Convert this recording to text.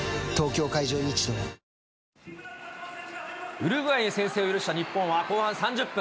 ウルグアイに先制を許した日本は、後半３０分。